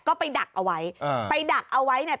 ก็ไปดักเอาไว้ไปดักเอาไว้เนี่ย